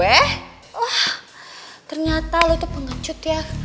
wah ternyata lo tuh pengecut ya